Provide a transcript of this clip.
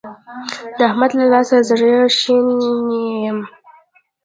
د احمد له لاسه زړه شنی يم.